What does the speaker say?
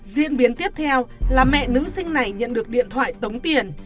diễn biến tiếp theo là mẹ nữ sinh này nhận được điện thoại tống tiền